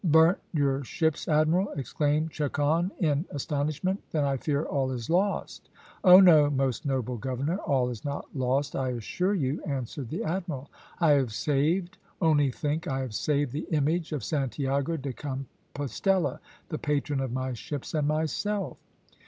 `Burnt your ships, admiral!' exclaimed Chacon, in astonishment. `Then I fear all is lost.' `Oh, no, most noble governor, all is not lost, I assure you,' answered the admiral. `I have saved! only think I have saved the image of Santiago de Compostella, the patron of my ships and myself.'"